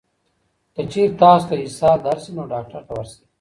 که چېرې تاسو ته اسهال درشي، نو ډاکټر ته ورشئ.